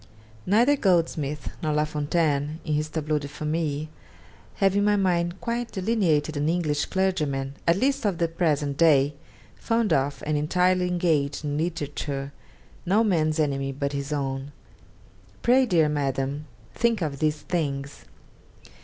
Neither Goldsmith, nor La Fontaine in his "Tableau de Famille," have in my mind quite delineated an English clergyman, at least of the present day, fond of and entirely engaged in literature, no man's enemy but his own. Pray, dear Madam, think of these things.